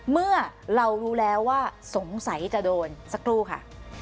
เมื่อเรารู้แล้วว่าสงสัยจะโดนสักครู่ค่ะ